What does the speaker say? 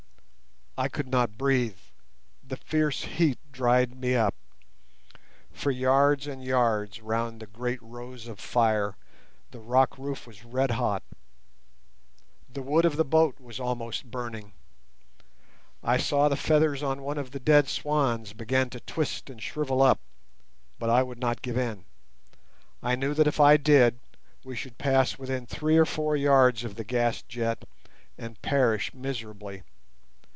I could not breathe; the fierce heat dried me up. For yards and yards round the great rose of fire the rock roof was red hot. The wood of the boat was almost burning. I saw the feathers on one of the dead swans begin to twist and shrivel up; but I would not give in. I knew that if I did we should pass within three or four yards of the gas jet and perish miserably.